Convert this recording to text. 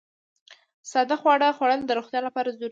ساده خواړه خوړل د روغتیا لپاره ضروري دي.